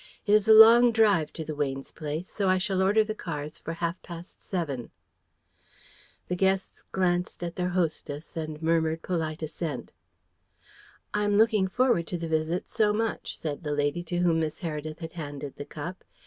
"It is a long drive to the Weynes' place, so I shall order the cars for half past seven." The guests glanced at their hostess and murmured polite assent. "I am looking forward to the visit so much," said the lady to whom Miss Heredith had handed the cup.